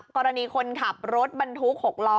กรณีคนขับรถบรรทุก๖ล้อ